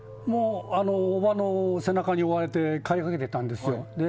おばの背中に背負われて帰りかけていたんですよ。